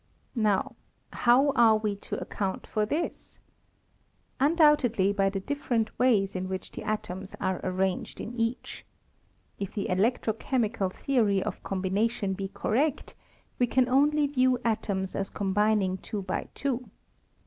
Now how are we to account for this ? Un doubtedly by the different ways in which the atoms are arranged in each. If the electro chemical the ory of combination be correct, we can only view atoms as combining two by two.